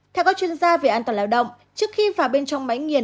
theo các chuyên gia về an toàn lao động trước khi vào bên trong máy nghiền